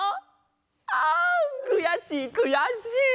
あんくやしいくやしい！